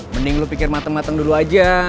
mending lu pikir mateng mateng dulu aja